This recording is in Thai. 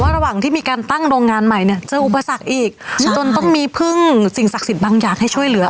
ระหว่างที่มีการตั้งโรงงานใหม่เนี่ยเจออุปสรรคอีกจนต้องมีพึ่งสิ่งศักดิ์สิทธิ์บางอย่างให้ช่วยเหลือ